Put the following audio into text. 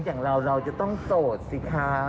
อย่างเราเราจะต้องโสดสิคะ